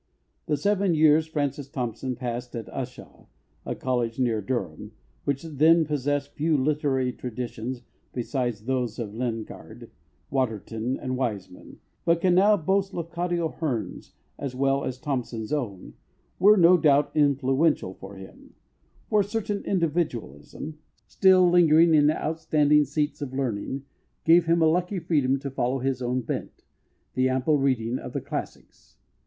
The seven years Francis Thompson passed at Ushaw a college near Durham, which then possessed few literary traditions besides those of Lingard, Waterton and Wiseman, but can now boast Lafcadio Hearn's as well as Thompson's own were, no doubt, influential for him; for a certain individualism, still lingering in outstanding seats of learning, gave him a lucky freedom to follow his own bent the ample reading of the classics.